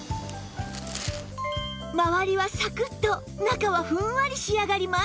周りはサクッと中はふんわり仕上がります